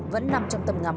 vẫn nằm trong tầm ngắm